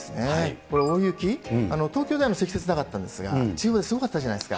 これ、大雪、東京では積雪なかったんですが、すごかったじゃないですか。